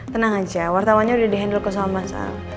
tenang aja wartawannya udah di handle kesel masal